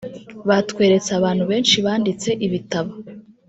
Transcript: batweretse abantu benshi banditse ibitabo